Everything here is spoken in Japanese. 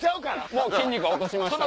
もう筋肉は落としました。